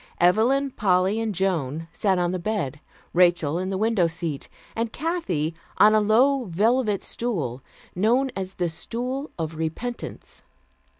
Evelyn, Polly and Joan sat on the bed, Rachel in the window seat, and Kathy on a low velvet stool, known as the "Stool of Repentance."